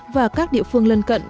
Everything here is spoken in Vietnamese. và các địa phương lân cận